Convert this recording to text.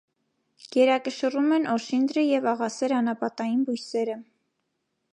Գերակշռում են օշինդրը և աղասեր անապատային բույսերը։